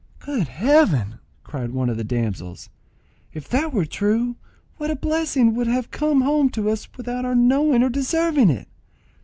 "Good heaven!" cried one of the damsels, "if that were true, what a blessing would have come home to us without our knowing or deserving it!